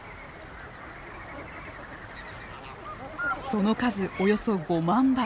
その数およそ５万羽。